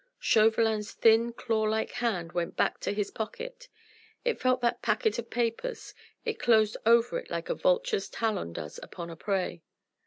Chauvelin's thin claw like hand went back to his pocket: it felt that packet of papers, it closed over it like a vulture's talon does upon a prey.